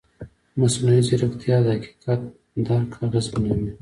مصنوعي ځیرکتیا د حقیقت درک اغېزمنوي.